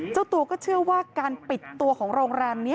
เจ้าตัวก็เชื่อว่าการปิดตัวของโรงแรมนี้